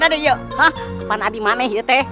kami berdua berdua di mana